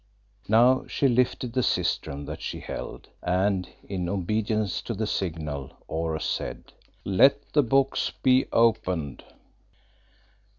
Now she lifted the sistrum that she held, and in obedience to the signal Oros said "Let the books be opened."